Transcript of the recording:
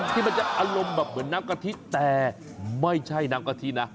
ที่มันจะอารมณ์แบบเหมือนน้ำกะทิแต่ไม่ใช่น้ำกะทินะ